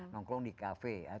nongkrong di cafe